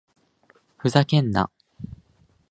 ふざけんな！